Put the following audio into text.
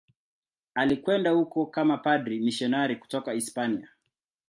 Alikwenda huko kama padri mmisionari kutoka Hispania.